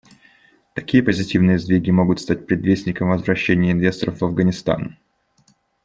Такие позитивные сдвиги могут стать предвестником возвращения инвесторов в Афганистан.